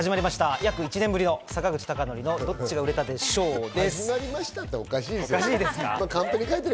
約１年ぶりの坂口孝則のどっちが売れたでＳＨＯＷ！です。